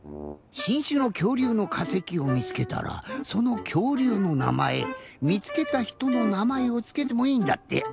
しんしゅのきょうりゅうのかせきをみつけたらそのきょうりゅうのなまえみつけたひとのなまえをつけてもいいんだって。